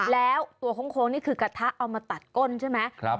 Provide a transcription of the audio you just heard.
แล้วตัวโค้งนี่คือกระทะเอามาตัดก้นใช่ไหม